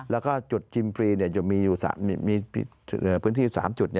แล้วก็จุดจิ้มฟรีจะมีพื้นที่๓จุด